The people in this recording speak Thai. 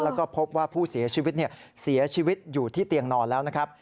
แล้วก็พบว่าผู้เสียชีวิตเสียชีวิตอยู่ที่เตียงนอนแล้วนะครับ